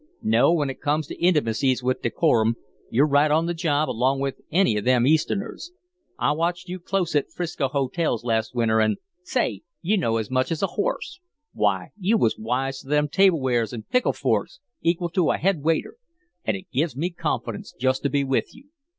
"No, when it comes to intimacies with decorum, you're right on the job along with any of them Easterners. I watched you close at them 'Frisco hotels last winter, and, say you know as much as a horse. Why, you was wise to them tablewares and pickle forks equal to a head waiter, and it give me confidence just to be with you.